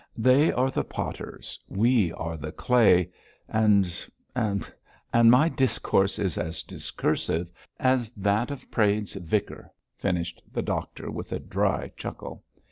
They are the potters, we are the clay, and and and my discourse is as discursive as that of Praed's vicar,' finished the doctor, with a dry chuckle.